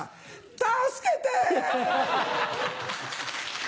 助けて！